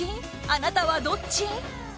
あなたはどっち？